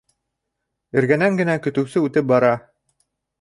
Эргәнән генә көтөүсе үтеп бара.